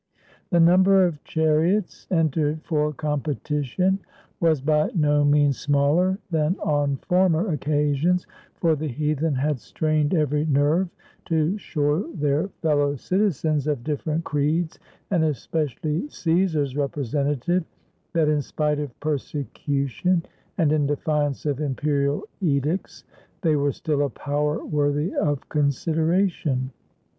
The number of chariots entered for competition was by no means smaller than on former occasions, for the heathen had strained every nerve to show their fellow citizens of different creeds, and especially Csesar's repre sentative, that, in spite of persecution and in defiance of imperial edicts, they were still a power worthy of consideration.